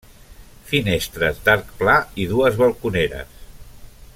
Finestres d'arc pla i dues balconeres.